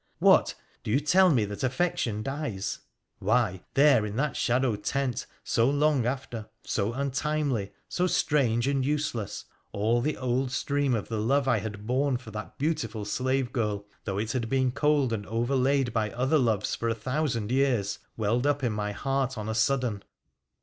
What ! do you tell me that affection dies ? Why, there in that shadowed tent, so long after, so untimely, so strange and useless — all the old stream of the love I had borne for that beautiful slave girl, though it had been cold and overlaid by other loves for a thousand years, welled up in my heart on a sudden.